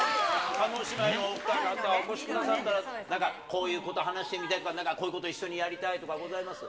叶姉妹の方がお越しくださったら、こういうこと話してみたいとかなんかこういうこと一緒にやりたいとかございます？